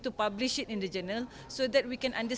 tapi ada yang diperlukan juga